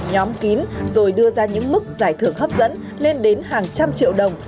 nhóm kín rồi đưa ra những mức giải thưởng hấp dẫn lên đến hàng trăm triệu đồng